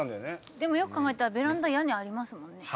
でもよく考えたらベランダ屋根ありますもんね。